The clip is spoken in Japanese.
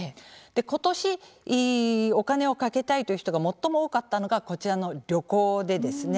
今年お金をかけたいという人が最も多かったのがこちらの旅行でですね